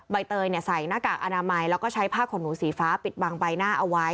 ใบเตยใส่หน้ากากอนามัยแล้วก็ใช้ผ้าขนหนูสีฟ้าปิดบังใบหน้าเอาไว้